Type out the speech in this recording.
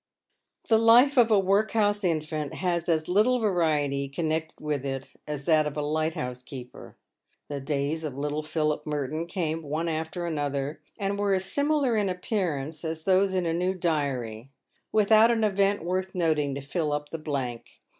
The life of a workhouse infant has as little variety connected with it as that of a lighthouse keeper. The days of little Philip Merton , came one after another, and were as similar in appearance as those in a new diary, without an event worth noting to fill up the blank.